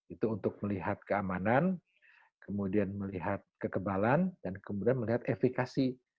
itu untuk melihat keamanan kemudian melihat kekebalan dan kemudian melihat efekasi